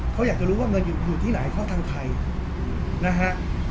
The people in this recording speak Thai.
เขาอยากจะรู้ว่าเงินอยู่ที่ไหนเพราะทางใครนะฮะ